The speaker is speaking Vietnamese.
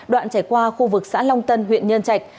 đoạn chảy qua khu vực xã long tân huyện nhân trạch